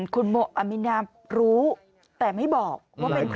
คุณอามินารู้แต่ไม่บอกว่าเป็นใคร